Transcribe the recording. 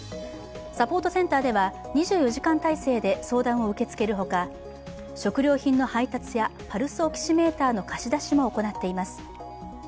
サポートセンターでは、２４時間体制で相談を受け付けるほか食料品の配達やパルスオキシメーターの貸し出しも行っています。